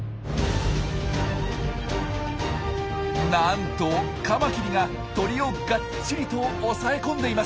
なんとカマキリが鳥をがっちりと押さえ込んでいます！